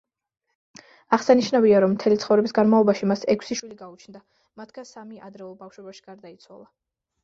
აღსანიშნავია, რომ მთელი ცხოვრების განმავლობაში მას ექვსი შვილი გაუჩნდა, მათგან სამი ადრეულ ბავშვობაში გარდაიცვალა.